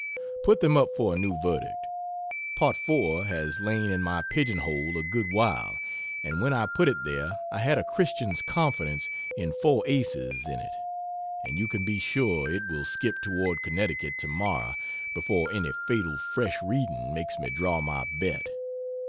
Put them up for a new verdict. Part 4 has lain in my pigeon hole a good while, and when I put it there I had a Christian's confidence in 4 aces in it; and you can be sure it will skip toward Connecticut tomorrow before any fatal fresh reading makes me draw my bet.